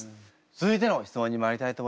続いての質問にまいりたいと思います。